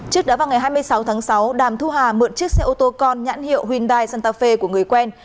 trước đó vào ngày hai mươi sáu tháng sáu đàm thu hà mượn chiếc xe ô tô con nhãn hiệu hyundai santafe của người quen